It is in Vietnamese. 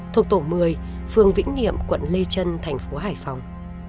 thuộc tổ một mươi phường vĩnh niệm quận lê trân thành phố hải phòng